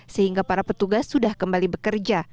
sehingga para petugas sudah kembali bekerja